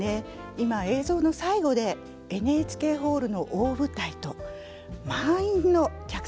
今映像の最後でＮＨＫホールの大舞台と満員の客席が映りました。